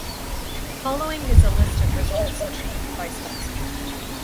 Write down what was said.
The following is a list of results achieved by Spencer.